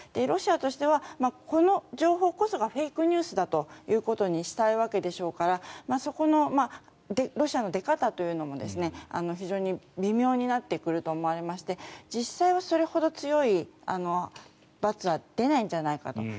ロシアとしてはこの情報こそがフェイクニュースだということにしたいわけでしょうからそこのロシアの出方というのも非常に微妙になってくると思われまして実際はそれほど強い罰は出ないんじゃないかと。